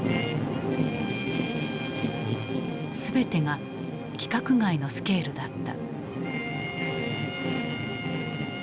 全てが規格外のスケールだった。